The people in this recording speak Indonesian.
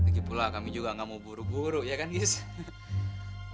lagipula kami juga gak mau buru buru ya kan gisa